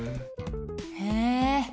へえ。